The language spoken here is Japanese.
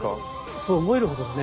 そう思えるほどにね